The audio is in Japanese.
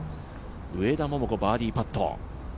上田桃子バーディーパット。